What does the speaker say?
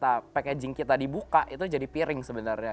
makanya kalau packaging yang kita dibuka itu jadi piring sebenarnya